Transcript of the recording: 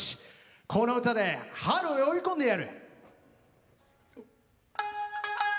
この唄で春を呼び込んでやる。